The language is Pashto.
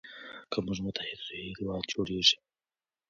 که موږ متحد سو هیواد جوړیږي.